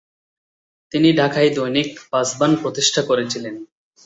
তিনি ঢাকায় দৈনিক পাসবান প্রতিষ্ঠা করেছিলেন।